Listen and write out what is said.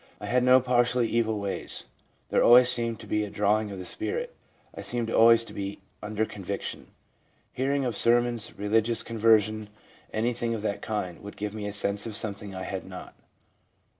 I had no particularly evil ways. There always seemed to be a drawing of the spirit. ... I seemed always to be under conviction. Hearing of sermons, religious conversation, anything of that kind, would give me a sense of something I had not.